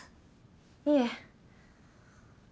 いえ。